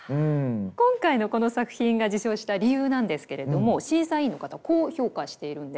今回のこの作品が受賞した理由なんですけれども審査員の方こう評価しているんです。